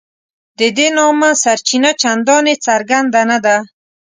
د دې نامه سرچینه چنداني څرګنده نه ده.